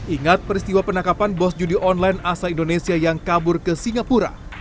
ingat peristiwa penangkapan bos judi online asal indonesia yang kabur ke singapura